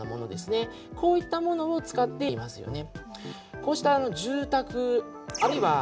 こういったものを使っていますよね。